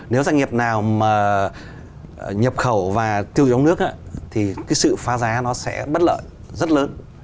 nếu doanh nghiệp nào mà nhập khẩu và tiêu dùng nước thì cái sự phá giá nó sẽ bất lợi rất lớn